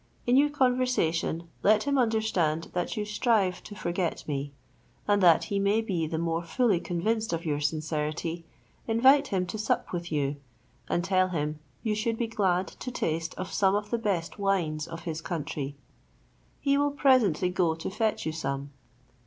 In your conversation, let him understand that you strive to forget me; and that he may be the more fully convinced of your sincerity, invite him to sup with you, and tell him you should be glad to taste of some of the best wines of his country. He will presently go to fetch you some.